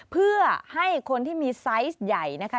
เพื่อให้คนที่มีไซส์ใหญ่นะคะ